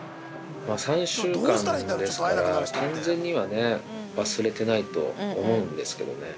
まだ３週間ですから、完全にはね、忘れてないと思うんですけどね。